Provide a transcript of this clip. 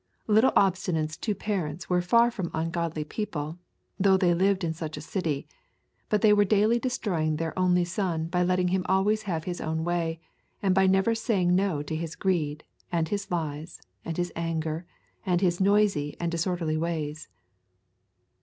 Little Obstinate's two parents were far from ungodly people, though they lived in such a city; but they were daily destroying their only son by letting him always have his own way, and by never saying no to his greed, and his lies, and his anger, and his noisy and disorderly ways.